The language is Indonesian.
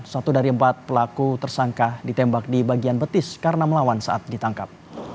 satu dari empat pelaku tersangka ditembak di bagian betis karena melawan saat ditangkap